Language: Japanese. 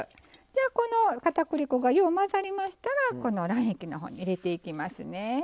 じゃあこのかたくり粉がよう混ざりましたらこの卵液の方に入れていきますね。